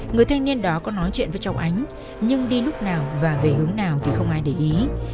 người thanh niên đó có nói chuyện với trọng ánh nhưng đi lúc nào và về hướng nào thì không ai để ý